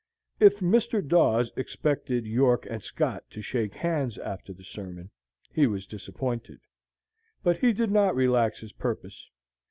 If Mr. Daws expected York and Scott to shake hands after the sermon, he was disappointed. But he did not relax his purpose.